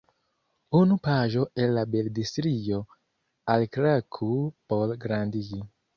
Unu paĝo el la bildstrio - alklaku por grandigi.